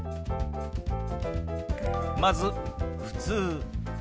まず「ふつう」。